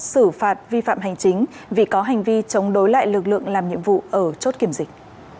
xử phạt vi phạm hành chính vì có hành vi chống đối lại lực lượng làm nhiệm vụ ở chốt kiểm dịch